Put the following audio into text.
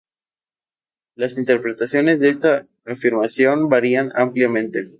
Las interpretaciones de esta afirmación varían ampliamente.